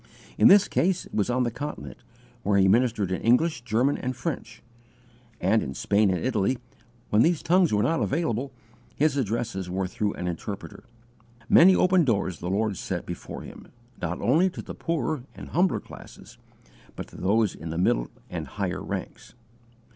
In this case, it was on the Continent, where he ministered in English, German, and French; and in Spain and Italy, when these tongues were not available, his addresses were through an interpreter. Many open doors the Lord set before him, not only to the poorer and humbler classes, but to those in the middle and higher ranks.